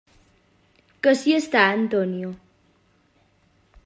Que si està Antonio?